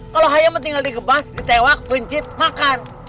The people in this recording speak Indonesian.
kalau hayam tinggal digebah ditewak pencit makan